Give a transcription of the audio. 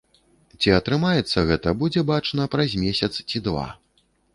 Ці атрымаецца гэта, будзе бачна праз месяц ці два.